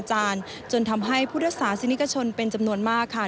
จนทำให้พุทธศาสนิกชนเป็นจำนวนมากค่ะ